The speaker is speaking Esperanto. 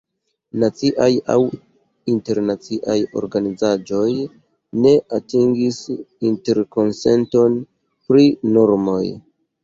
Naciaj aŭ internaciaj organizaĵoj ne atingis interkonsenton pri normoj.